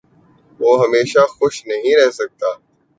وہ ہمیشہ خوش نہیں رہ سکتا